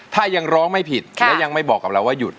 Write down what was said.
ถ้ายังร้องไม่ผิดและยังไม่บอกกับเราว่าหยุด